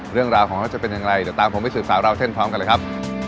เรื่องราวของเขาจะเป็นอย่างไรเดี๋ยวตามผมไปสืบสาวราวเส้นพร้อมกันเลยครับ